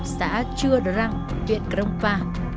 xã chưa răng viện crong pha